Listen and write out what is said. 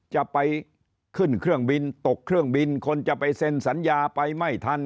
จะไปขึ้นเครื่องบินตกเครื่องบินคนจะไปเซ็นสัญญาไปไม่ทัน